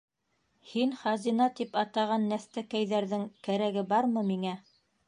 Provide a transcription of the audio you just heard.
— Һин хазина тип атаған нәҫтәкәйҙәрҙең кәрәге бармы миңә?